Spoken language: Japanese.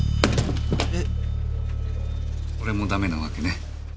俺もダメなわけね。